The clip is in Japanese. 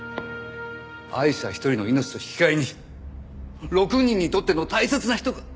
アイシャ１人の命と引き換えに６人にとっての大切な人が。